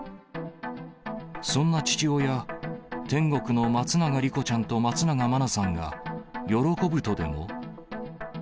そんな父親、天国の松永莉子ちゃんと松永真菜さんが喜ぶとでも？